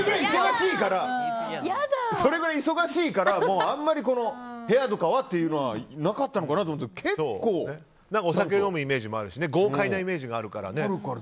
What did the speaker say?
それぐらい忙しいからあんまり部屋とかはっていうのはなかったのかなと思ってましたけどお酒を飲むイメージもあるし豪快なイメージがあるからね。